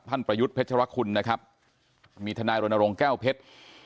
ประยุทธ์เพชรคุณนะครับมีทนายรณรงค์แก้วเพชร